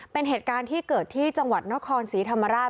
เป็นเหตุการณ์ที่เกิดที่จังหวัดนครศรีธรรมราช